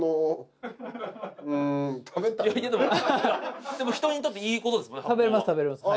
うーんでも人にとっていいことですもんね